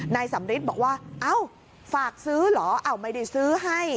นายสำริทบอกว่าเอ้าฝากซื้อเหรอไม่ได้ซื้อให้